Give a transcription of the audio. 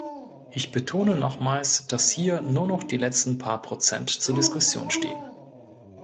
Ich betone nochmals, dass hier nur noch die letzten paar Prozent zur Diskussion stehen.